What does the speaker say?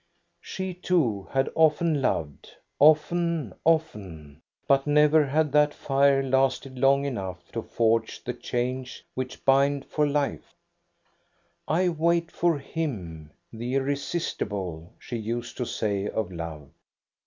She, too, had often loved, often, often ; but never had that fire lasted long enough to forge the chains which bind for life. THE BALL AT EKEBY 87 " I wait for him, the irresistible," she used to say of love.